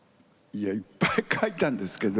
いっぱい書いたんですけど。